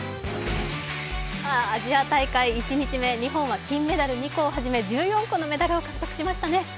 アジア大会１日目、日本は金メダル２個を含め１４個のメダルを獲得しましたね。